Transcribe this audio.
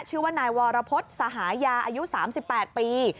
ชื่อว่านายวรพฤษสหายาอายุ๓๘ปี